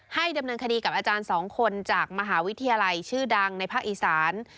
ดำเนินคดีกับอาจารย์สองคนจากมหาวิทยาลัยชื่อดังในภาคอีสาน